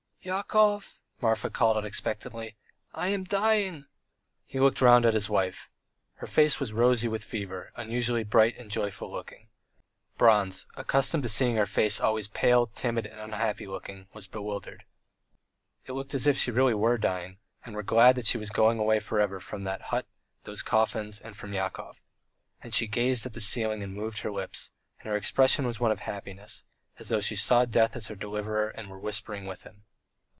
"Yakov!" Marfa called unexpectedly. "I am dying." He looked round at his wife. Her face was rosy with fever, unusually bright and joyful looking. Bronze, accustomed to seeing her face always pale, timid, and unhappy looking, was bewildered. It looked as if she really were dying and were glad that she was going away for ever from that hut, from the coffins, and from Yakov. ... And she gazed at the ceiling and moved her lips, and her expression was one of happiness, as though she saw death as her deliverer and were whispering with him.